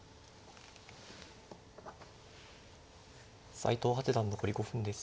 斎藤八段残り５分です。